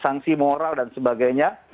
sanksi moral dan sebagainya